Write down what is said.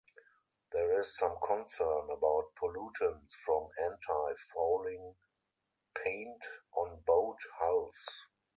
There is some concern about pollutants from anti-fouling paint on boat hulls.